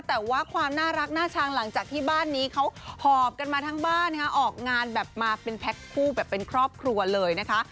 แต่ว่าความน่ารักน่าชังหลังจากที่บ้านนี้เขาหอบกันมาทั้งบ้านนะคะออกงานแบบมาเป็นแพ็คคู่แบบเป็นครอบครัวเลยนะคะ